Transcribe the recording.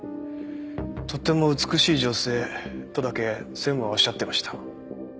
「とても美しい女性」とだけ専務はおっしゃってました。